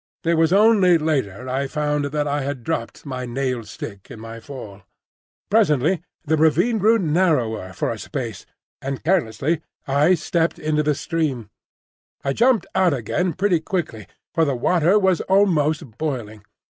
It was only later I found that I had dropped my nailed stick in my fall. Presently the ravine grew narrower for a space, and carelessly I stepped into the stream. I jumped out again pretty quickly, for the water was almost boiling.